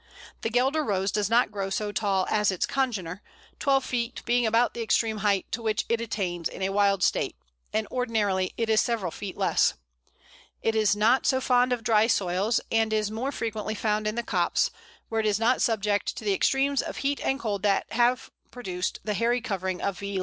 The Guelder Rose does not grow so tall as its congener, twelve feet being about the extreme height to which it attains in a wild state, and ordinarily it is several feet less. It is not so fond of dry soils, and is more frequently found in the copse, where it is not subject to the extremes of heat and cold that have produced the hairy covering of _V.